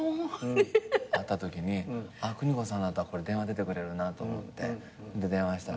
なったときに邦子さんだったら電話出てくれるなと思って電話した。